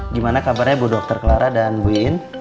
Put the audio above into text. gimana kabarnya bu dr clara dan bu in